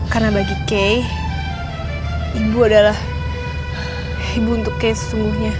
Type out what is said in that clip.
karena bagi kay ibu adalah ibu untuk kay sesungguhnya